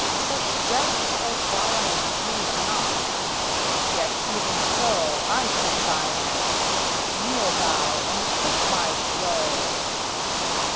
Such jests as thine please not; yet even so I take thine axe; kneel thou, and take my blow."